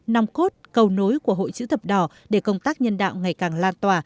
nòng cốt cầu nối của hội chữ thập đỏ để công tác nhân đạo ngày càng lan tỏa